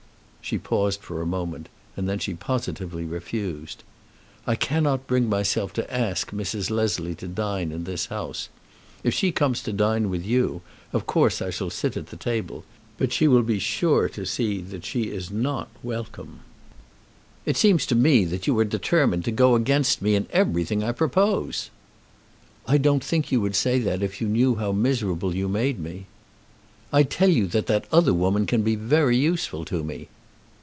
She paused for a moment, and then she positively refused. "I cannot bring myself to ask Mrs. Leslie to dine in this house. If she comes to dine with you, of course I shall sit at the table, but she will be sure to see that she is not welcome." "It seems to me that you are determined to go against me in everything I propose." "I don't think you would say that if you knew how miserable you made me." "I tell you that that other woman can be very useful to me."